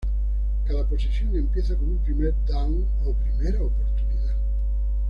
Cada posesión empieza con un primer "down" o primera oportunidad.